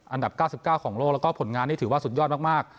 อันดับ๙๙ของโลกแล้วก็ผลงานนี่ถือว่าสุดยอดมาก